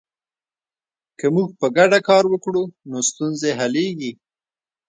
که موږ په ګډه کار وکړو نو ستونزې حلیږي.